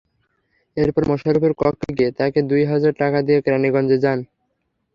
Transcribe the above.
এরপর মোশাররফের কক্ষে গিয়ে তাঁকে দুই হাজার টাকা দিয়ে কেরানীগঞ্জে যান।